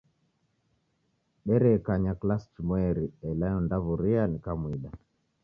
Derekanya kilasi chimweri ela ondaw'uria nikamwida.